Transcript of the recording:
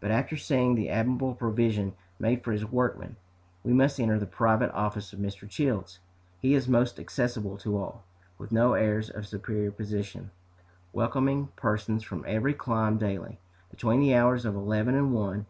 But after seeing the admirable provision made for his workmen, we must enter the private office of Mr. Childs. He is most accessible to all, with no airs of superior position, welcoming persons from every clime daily, between the hours of eleven and one.